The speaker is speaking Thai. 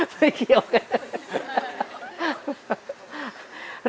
ไม่เกี่ยวกัน